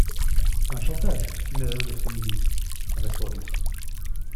Un chantage ! fit madame de Frémilly, abasourdie.